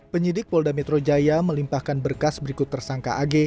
penyidik polda metro jaya melimpahkan berkas berikut tersangka ag